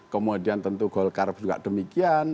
kemudian tentu golkar juga demikian